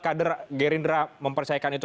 kader gerindra mempercayakan itu